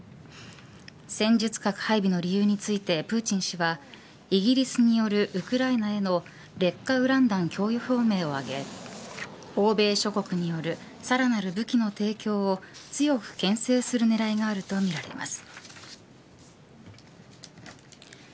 戦術核配備の理由についてプーチン氏はイギリスによるウクライナへの劣化ウラン弾供与表明を挙げ欧米諸国によるさらなる武器の提供を強くけん制する狙いがあるとみられます。